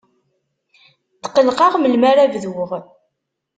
Tqellqeɣ melmi ara bduɣ.